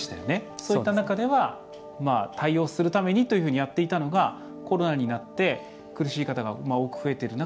そういった中では対応するためにというふうにやっていたのがコロナになって苦しい方が多く増えている中